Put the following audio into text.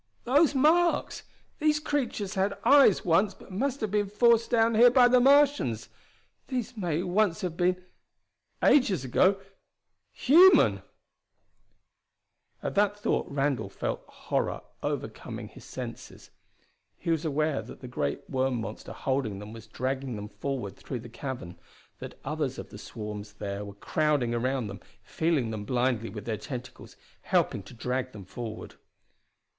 "Those marks! These creatures had eyes once but must have been forced down here by the Martians. These may once have been ages ago human!" At that thought Randall felt horror overcoming his senses. He was aware that the great worm monster holding them was dragging them forward through the cavern, that others of the swarms there were crowding around them, feeling them blindly with their tentacles, helping to drag them forward.